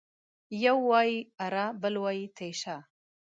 يو وايي اره ، بل وايي تېشه.